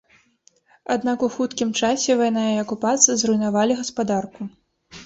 Аднак у хуткім часе вайна і акупацыя зруйнавалі гаспадарку.